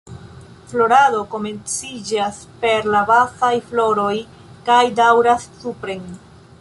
Florado komenciĝas per la bazaj floroj kaj daŭras supren.